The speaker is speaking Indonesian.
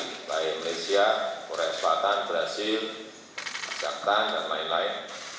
mulai dari malaysia korea selatan brazil jakarta dan lain lain